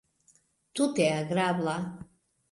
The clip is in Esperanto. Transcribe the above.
Tute agrabla.